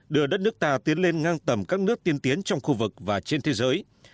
đưa đất nước ta tiến lên ngang tầm các nước tiên tiến trong khu vực và trên thế giới